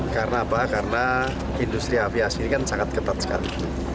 karena apa karena industri aviasi ini kan sangat ketat sekali